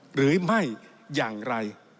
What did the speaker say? หรือไม่อย่างไร